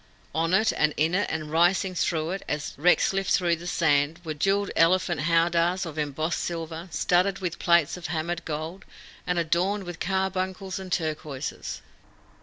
On it and in it and rising through it, as wrecks lift through the sand, were jewelled elephant howdahs of embossed silver, studded with plates of hammered gold, and adorned with carbuncles and turquoises.